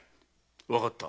わかった。